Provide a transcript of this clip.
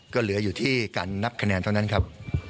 ก็เหลืออยู่ที่การนับคะแนนเท่านั้นครับ